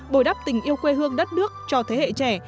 bồi đắp tình yêu quê hương đất nước cho thế hệ trẻ